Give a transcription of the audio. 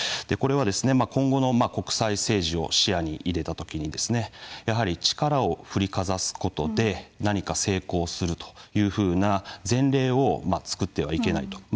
これは、今後の国際政治を視野に入れたときにやはり、力を振りかざすことで何か成功するというふうな前例を作ってはいけないと。